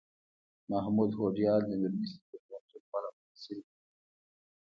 محمود هوډیال دمیرویس نیکه پوهنتون غوره محصل دی